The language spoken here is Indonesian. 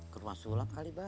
ke rumah sulam kali pak